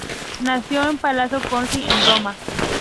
Nació en el "Palazzo Corsini" en Roma.